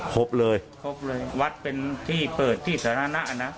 พบเลยครบเลยวัดเป็นที่เปิดที่สาธารณะนะ